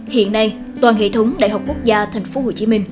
hiện nay toàn hệ thống đại học quốc gia tp hcm